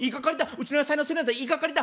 うちの野菜のせいなんて言いがかりだ！